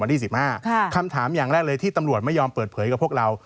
วันที่๑๕คำถามอย่างแรกเลยที่ตำรวจไม่ยอมเปิดเผยกับพวกเรา